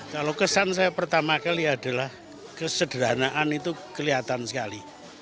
kalau kesan saya pertama kali adalah kesederhanaan itu kelihatan sekali